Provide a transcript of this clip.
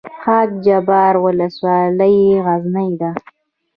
خاک جبار ولسوالۍ غرنۍ ده؟